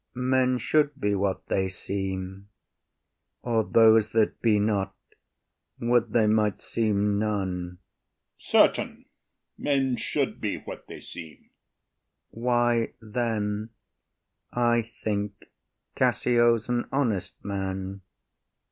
Men should be what they seem; Or those that be not, would they might seem none! OTHELLO. Certain, men should be what they seem. IAGO. Why then, I think Cassio’s an honest man.